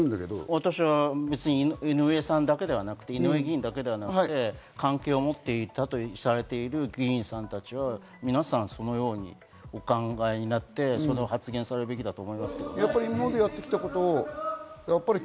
私は井上さんだけではなくて、関係を持っているとされる議員さんたちは皆さん、そのようにお考えになって、そう発言されるべきだと思いますけどね。